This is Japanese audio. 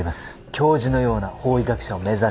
教授のような法医学者を目指して。